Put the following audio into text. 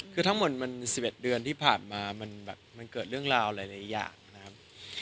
คือทั้งหมดมัน๑๑เดือนที่ผ่านมามันแบบมันเกิดเรื่องราวหลายอย่างนะครับ